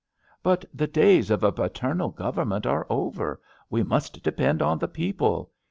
But the days of a paternal Government are over; we must depend on the people.